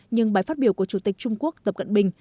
nhưng bài phát biểu của chủ tịch trung quốc tập cận bình